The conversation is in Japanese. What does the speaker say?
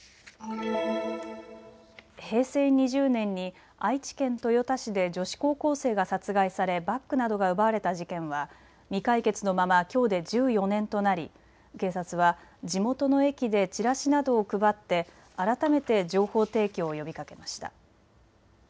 平成２０年に愛知県豊田市で女子高校生が殺害されバッグなどが奪われた事件は未解決のまま、きょうで１４年となり、警察は地元の駅でチラシなどを配って改めて情報提供を呼びかけました。